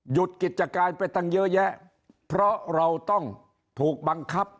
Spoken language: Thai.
หยุดกิจการไปตั้งเยอะแยะเพราะเราต้องถูกบังคับ